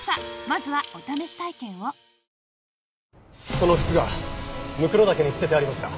その靴が骸岳に捨ててありました。